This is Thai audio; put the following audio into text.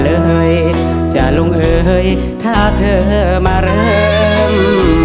กล้าเลยจรุงเอ๋ยถ้าเธอมาเริ่ม